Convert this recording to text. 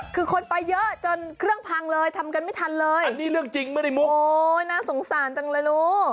คือคนไปเยอะจนเครื่องพังเลยทำกันไม่ทันเลยอันนี้เรื่องจริงไม่ได้มุกโอ้น่าสงสารจังเลยลูก